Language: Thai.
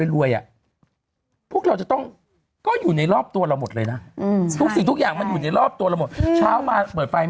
เริ่มได้ง่ายเบาไง